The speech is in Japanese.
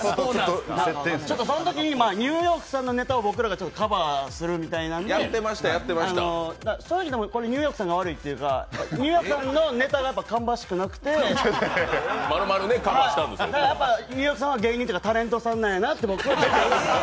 そのときにニューヨークさんのネタをカバーするというか、正直ニューヨークさんが悪いっていうかニューヨークさんのネタが芳しくなくてだからやっぱニューヨークさんは芸人というかタレントさんやなと僕は思っています。